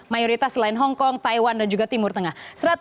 mayoritas selain hongkong taiwan dan juga timur tengah